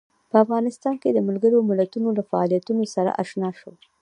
په افغانستان کې د ملګرو ملتونو له فعالیتونو سره آشنا شو.